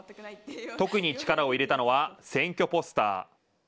特に力を入れたのは選挙ポスター。